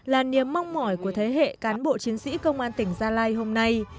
là niềm mong mỏi của thế hệ cán bộ chiến sĩ công an tỉnh gia lai hôm nay